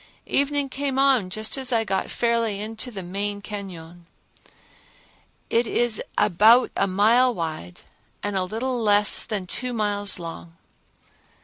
Evening came on just as I got fairly into the main cañon. It is about a mile wide and a little less than two miles long.